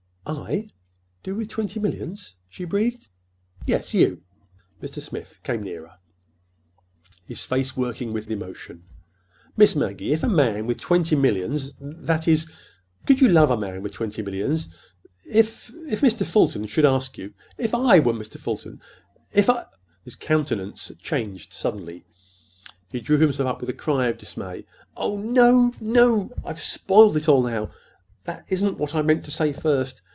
"I?—do with twenty millions?" she breathed. "Yes, you." Mr. Smith came nearer, his face working with emotion. "Miss Maggie, if a man with twenty millions—that is, could you love a man with twenty millions, if—if Mr. Fulton should ask you—if I were Mr. Fulton—if—" His countenance changed suddenly. He drew himself up with a cry of dismay. "Oh, no—no—I've spoiled it all now. That isn't what I meant to say first.